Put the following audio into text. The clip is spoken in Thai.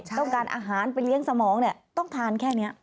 ต้องการอาหารเป็นเลี้ยงสมองต้องทานแค่นี้